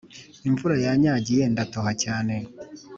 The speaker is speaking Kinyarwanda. Imvura yanyagiye ndatoha cyane